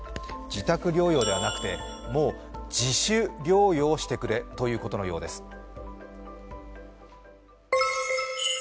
自宅療養ではなくて、もう自主療養してくれということのようです。